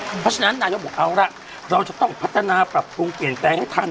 เพราะฉะนั้นนายกบอกเอาล่ะเราจะต้องพัฒนาปรับปรุงเปลี่ยนแปลงให้ทัน